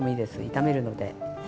炒めるので。